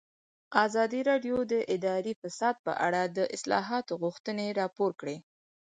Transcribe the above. ازادي راډیو د اداري فساد په اړه د اصلاحاتو غوښتنې راپور کړې.